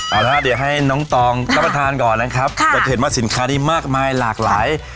เอาล่ะดีกว่าให้น้องตองก็พันทานก่อนนะครับค่ะแต่เผ็ดมาสินค้านี้มากมายหลากหลาย